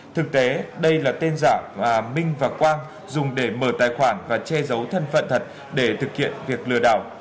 thực tế đây là tên giả mà minh và quang dùng để mở tài khoản và che giấu thân phận thật để thực hiện việc lừa đảo